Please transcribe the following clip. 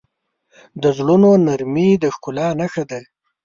د زړونو نرمي د ښکلا نښه ده.